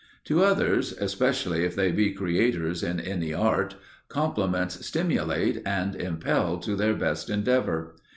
To others, especially if they be creators in any art, compliments stimulate and impel to their best endeavour.